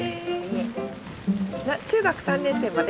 中学３年生まで？